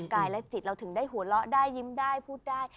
กายและจิตเราถึงได้หัวเราะได้ยิ้มได้พูดได้